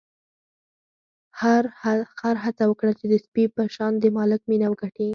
خر هڅه وکړه چې د سپي په شان د مالک مینه وګټي.